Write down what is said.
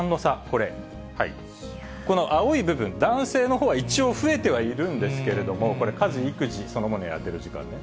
これ、この青い部分、男性のほうは一応増えてはいるんですけれども、これ、家事・育児、そのものをやってる時間ね。